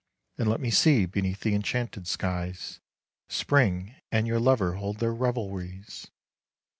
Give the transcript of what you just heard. And let me see beneath the enchanted skies, Spring and your lover hold their revelries.